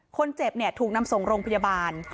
คนเจ็บถูกนำส่งโรงพยาบาล